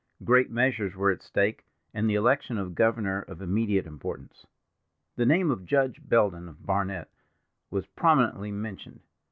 Great measures were at stake, and the election of governor of immediate importance. The name of Judge Belden of Barnet was prominently mentioned.